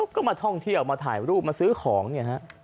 ก็มาท่องเที่ยวมาถ่ายรูปมาซื้อของเนี่ยฮะ